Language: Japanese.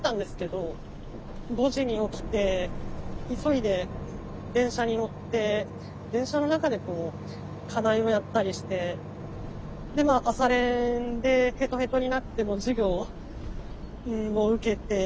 ５時に起きて急いで電車に乗って電車の中で課題をやったりしてでまあ朝練でへとへとになっても授業を受けて。